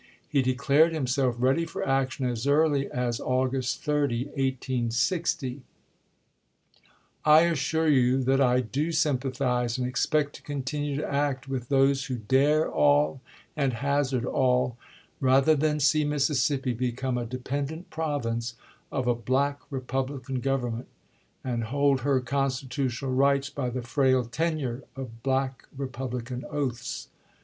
He declared himself ready for action as early as Au gust 30, 1860. I assure you that I do sympathize and expect to continue to act with those who dare all and hazard all, rather than see Mississippi become a dependent province of a Black Republican government, and hold her constitutional rights by the frail tenure of Black Republican oaths.